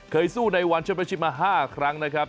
สู้ในวันชมประชิปมา๕ครั้งนะครับ